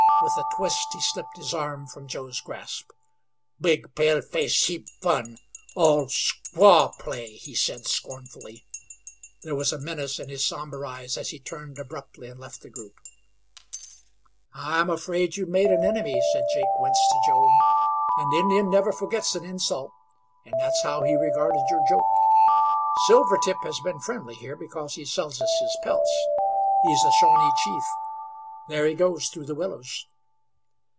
With a twist he slipped his arm from Joe's grasp. "Big paleface heap fun all squaw play," he said, scornfully. There was a menace in his somber eyes as he turned abruptly and left the group. "I'm afraid you've made an enemy," said Jake Wentz to Joe. "An Indian never forgets an insult, and that's how he regarded your joke. Silvertip has been friendly here because he sells us his pelts. He's a Shawnee chief. There he goes through the willows!"